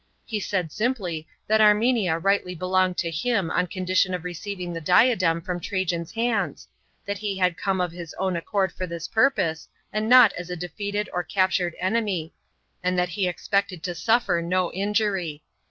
He said simply that Armenia rightfully belonged to him on condition of receiving the diadem irom Trajan's hands, that lie had come of his own accord for this purpose, and not as a defeated or captured enemy, and that he expected to suffer no injury.